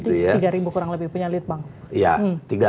tiga ribu kurang lebih punya lead bang